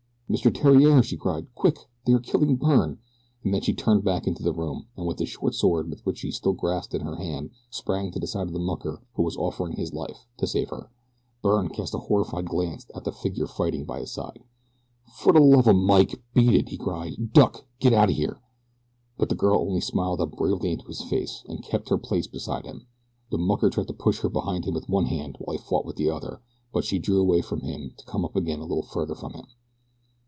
"Mr. Theriere!" she cried. "Quick! They are killing Byrne," and then she turned back into the room, and with the short sword which she still grasped in her hand sprang to the side of the mucker who was offering his life to save her. Byrne cast a horrified glance at the figure fighting by his side. "Fer de love o' Mike! Beat it!" he cried. "Duck! Git out o' here!" But the girl only smiled up bravely into his face and kept her place beside him. The mucker tried to push her behind him with one hand while he fought with the other, but she drew away from him to come up again a little farther from him.